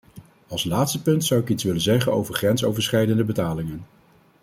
Als laatste punt zou ik iets willen zeggen over grensoverschrijdende betalingen.